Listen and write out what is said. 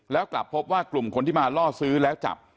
แล้วกลับพบว่ากลุ่มคนที่มาล่อซื้อแล้วจับ